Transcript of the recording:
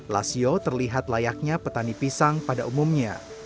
lasio terlihat layaknya petani pisang pada umumnya